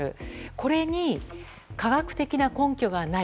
これに科学的な根拠がない。